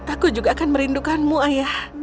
aku juga akan merindukanmu ayah